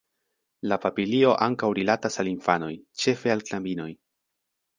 La papilio ankaŭ rilatas al infanoj, ĉefe al knabinoj.